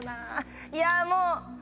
いやもう。